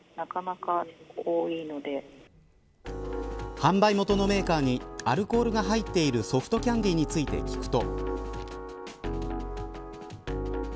販売元のメーカーにアルコールが入っているソフトキャンディについて聞くと。